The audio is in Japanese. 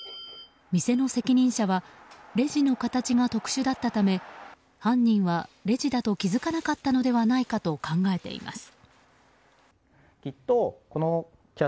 店の責任者はレジの形が特殊だったため犯人はレジだと気付かなかったのではないかと考えています。